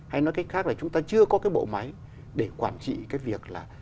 hay nói cách khác là chúng ta chưa có cái bộ máy để quản trị cái việc là